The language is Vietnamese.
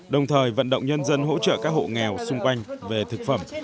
đồng thời vận động nhân dân hỗ trợ các hộ nghèo xung quanh về thực phẩm